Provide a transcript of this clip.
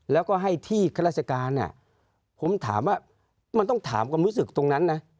แล้วก็ให้ที่ข้าราชการผมถามว่ามันต้องถามความรู้สึกตรงนั้นนะ